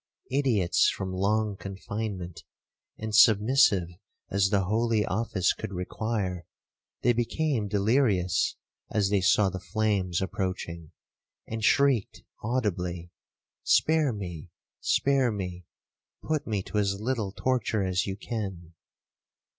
Idiots from long confinement, and submissive as the holy office could require, they became delirious as they saw the flames approaching, and shrieked audibly, 'Spare me—spare me—put me to as little torture as you can.'